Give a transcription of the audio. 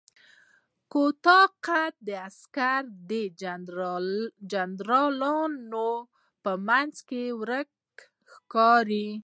کوتاه قده عسکر د جنرالانو په منځ کې وړوکی ښکارېده.